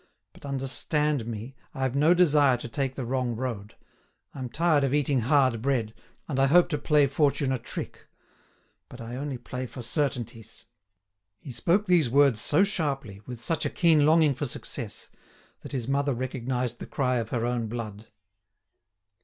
But, understand me, I've no desire to take the wrong road! I'm tired of eating hard bread, and I hope to play fortune a trick. But I only play for certainties." He spoke these words so sharply, with such a keen longing for success, that his mother recognised the cry of her own blood.